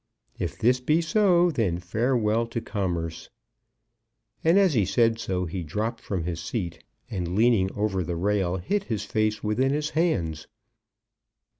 If this be so, then farewell to Commerce!" And as he said so, he dropped from his seat, and, leaning over the rail, hid his face within his hands.